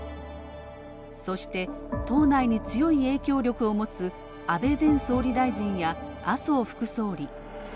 そして、党内に強い影響力を持つ安倍前総理大臣や麻生副総理。